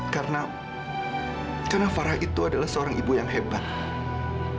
karena karena farah itu adalah seorang ibu yang hebat